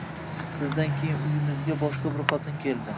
Sizdan keyin uyimizga boshqa bir xotin keldi.